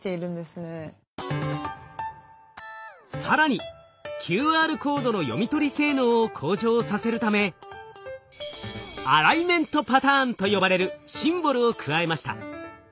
更にＱＲコードの読み取り性能を向上させるためアライメントパターンと呼ばれるシンボルを加えました。